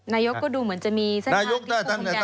นายกก็ดูเหมือนจะมีสร้างงานที่เขาคงแก้กว่าหรือเปล่า